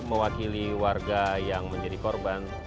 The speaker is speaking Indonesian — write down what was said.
mewakili warga yang menjadi korban